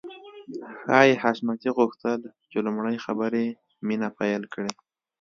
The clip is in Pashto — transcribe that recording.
ښايي حشمتي غوښتل چې لومړی خبرې مينه پيل کړي.